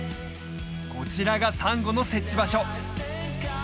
こちらがサンゴの設置場所